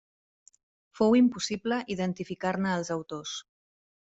Fou impossible identificar-ne els autors.